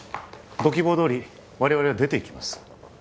ご希望どおり我々は出ていきます